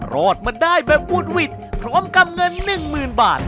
รอดมาได้แบบวุดหวิดพร้อมกำเงิน๑๐๐๐บาท